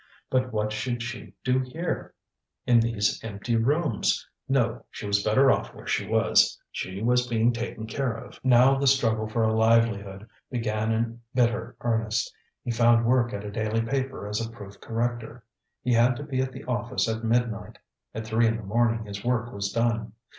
But what should she do here, in these empty rooms? No, she was better off where she was! She was being taken care of. Now the struggle for a livelihood began in bitter earnest. He found work at a daily paper as a proof corrector. He had to be at the office at midnight; at three in the morning his work was done.